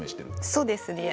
そうですね。